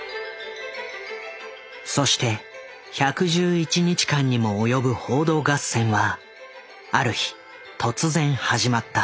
そして１１１日間にも及ぶ報道合戦はある日突然始まった。